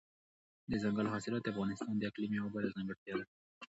دځنګل حاصلات د افغانستان د اقلیم یوه بله ځانګړتیا ده.